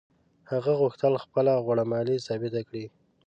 هغه غوښتل خپله غوړه مالي ثابته کړي.